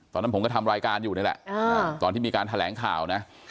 ตอนนั้นผมก็ทำรายการอยู่นี่แหละตอนที่มีการแถลงข่าวนะ